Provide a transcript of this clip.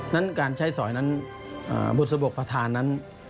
นั้นการใช้สอยนั้นบุษบกประธานนั้น